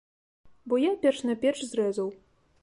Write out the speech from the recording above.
Бо я перш-наперш зрэзаў.